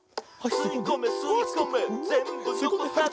「すいこめすいこめぜんぶのこさず」